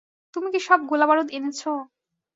তুমি কি সব গোলাবারুদ এনেছো?